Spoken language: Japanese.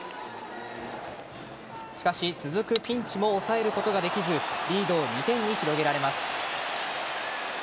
しかし続くピンチも抑えることができずリードを２点に広げられます。